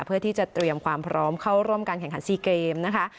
เพื่อที่จะเตรียมความพร้อมเข้าร่วมการแข่งขัน๔เกมนะคะ